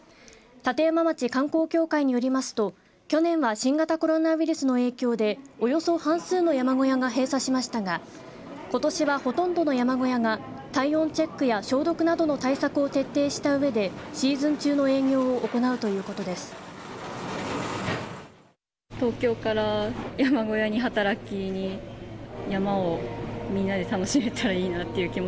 立山町観光協会によりますと去年は新型コロナウイルスの影響でおよそ半数の山小屋が閉鎖しましたがことしは、ほとんどの山小屋が体温チェックや消毒などの対策を徹底したうえでシーズン中の営業を行うということです。